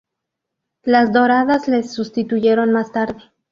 Las doradas les sustituyeron más tarde.